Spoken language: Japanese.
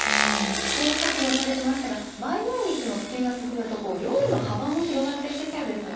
試行錯誤されてましたが、培養肉の普及が進むと、料理の幅も広がっていきそうですね。